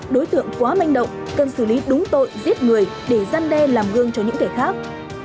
đối tượng quá manh động cần xử lý đúng tội giết người để gian đe làm gương cho những kẻ khác